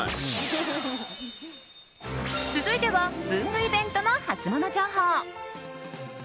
続いては文具イベントのハツモノ情報。